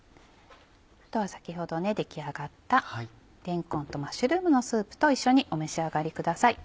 あとは先ほど出来上がったれんこんとマッシュルームのスープと一緒にお召し上がりください。